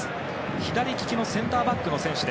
左利きのセンターバックの選手。